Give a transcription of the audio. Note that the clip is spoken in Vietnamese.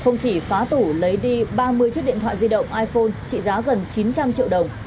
má tủ lấy đi ba mươi chiếc điện thoại di động iphone trị giá gần chín trăm linh triệu đồng